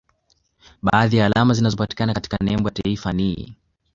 Baadhi ya alama zinazopatikana katika nembo ya taifa ni